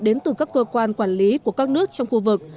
đến từ các cơ quan quản lý của các nước trong khu vực